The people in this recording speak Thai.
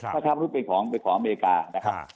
ถ้าค้ามนุษย์เป็นของอเมริกานะครับ